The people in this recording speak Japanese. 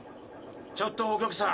ちょっとお客さん